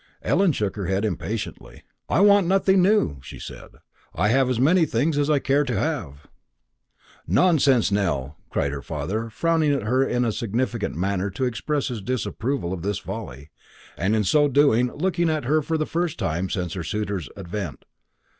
Ellen shook her head impatiently. "I want nothing new," she said; "I have as many things as I care to have." "Nonsense, Nell," cried her father, frowning at her in a significant manner to express his disapproval of this folly, and in so doing looking at her for the first time since her suitor's advent.